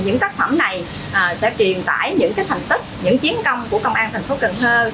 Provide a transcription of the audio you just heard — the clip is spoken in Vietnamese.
những tác phẩm này sẽ truyền tải những thành tích những chiến công của công an thành phố cần thơ